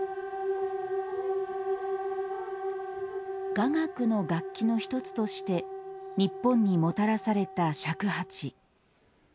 雅楽の楽器の一つとして日本にもたらされた尺八。